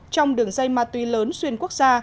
trong đường dây ma túy lớn xuyên quốc gia